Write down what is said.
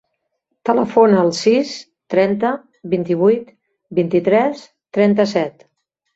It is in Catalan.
Telefona al sis, trenta, vint-i-vuit, vint-i-tres, trenta-set.